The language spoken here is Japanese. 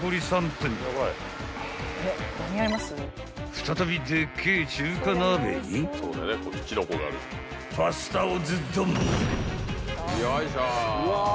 ［再びでっけぇ中華鍋にパスタをズドン！］